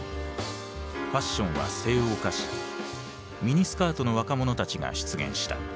ファッションは西欧化しミニスカートの若者たちが出現した。